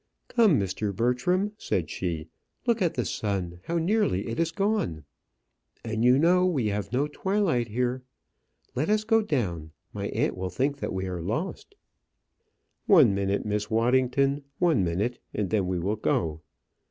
"Come, Mr. Bertram," said she; "look at the sun, how nearly it is gone. And you know we have no twilight here. Let us go down; my aunt will think that we are lost." "One minute, Miss Waddington; one minute, and then we will go.